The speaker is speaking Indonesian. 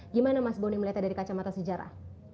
gimana mas boni melihatnya dari kacamata sejarah